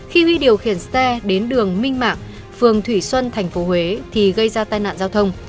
khi huy điều khiển xe đến đường minh mạng phường thủy xuân tp huế thì gây ra tai nạn giao thông